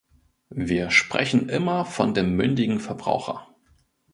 Wir sprechen immer von dem mündigen Verbraucher.